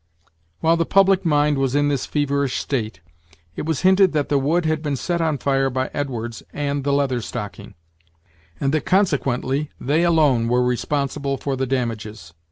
While the public mind was in this feverish state, it was hinted that the wood had been set on fire by Edwards and the Leather Stocking, and that, consequently, they alone were responsible for the damages.